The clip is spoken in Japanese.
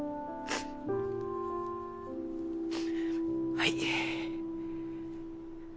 はい。